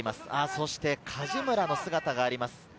そして梶村の姿があります。